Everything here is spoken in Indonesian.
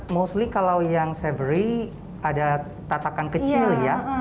paling paling kalau yang savory ada tatakan kecil ya